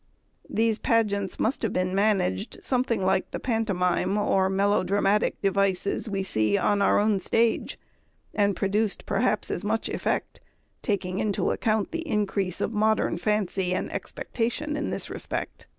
These pageants must have been managed something like the pantomime or melo dramatic devices we see on our own stage, and produced perhaps as much effect, taking into account the increase of modern fancy and expectation in this respect.